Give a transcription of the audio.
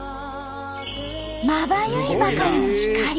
まばゆいばかりの光。